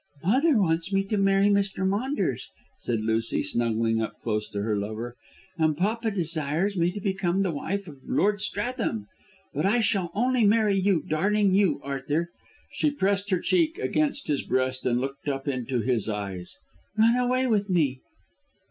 "Mother wants me to marry Mr. Maunders," said Lucy, snuggling up close to her lover, "and papa desires me to become the wife of Lord Stratham. But I shall only marry you, darling, you. Arthur," she pressed her cheek against his breast and looked up into his eyes, "run away with me."